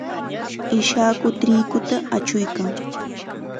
Ishaku triquta achuykan.